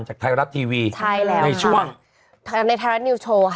จากไทยรับทีวีในช่วงในไทยรับนิวโชว์ค่ะ